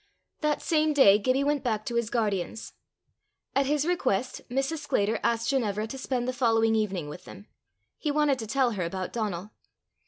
That same day Gibbie went back to his guardians. At his request Mrs. Sclater asked Ginevra to spend the following evening with them: he wanted to tell her about Donal.